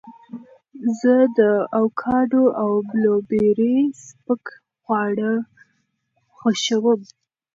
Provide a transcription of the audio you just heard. زه د اوکاډو او بلوبېري سپک خواړه خوښوم.